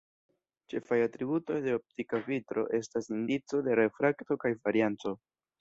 Ĉefaj atributoj de optika vitro estas indico de refrakto kaj varianco.